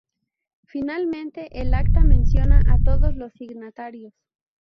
Finalmente el Acta menciona a todos los signatarios.